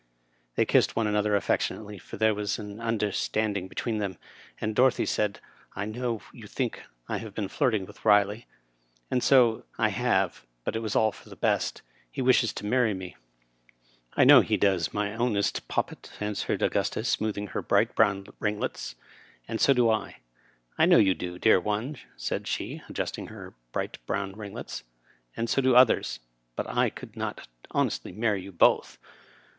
They kissed one another affectionately, for there was an understanding between them, and Dorothy said :" I know you think I have been flirting with Eiley ; and so I have, but it was aU for the best He wishes to marry Digitized by VjOOQIC RILEY, M. P. 173 " I know he does, my ownest poppet," answered Au •gustus, smoothing her bright brown ringlets, "and so do I." " I know you do, dear one," said she, adjusting her bright brown ringlets ;" and so do others : but I could not honestly marry you both."